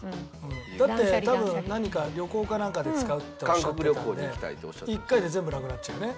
だって多分何か旅行かなんかで使うっておっしゃってたんで１回で全部なくなっちゃうね。